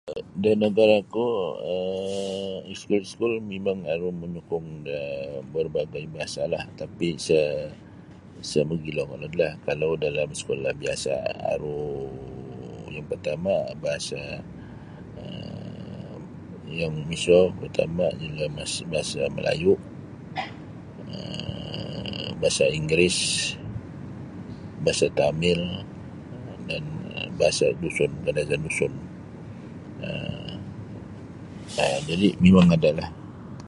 um da nagara'ku um iskul-iskul mimang aru manyukung da parbagai bahasalah tapi sa' sa' mogilo kolodlah kalau dalam sekolah biasa' aruu yang partama' bahasa um yang miso partama' ialah bahasa Melayu um bahasa Inggeris bahasa Tamil dan bahasa Dusun Kadazandusun um jadi' mimang ada'lah.